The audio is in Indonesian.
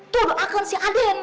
tuh doakan si aden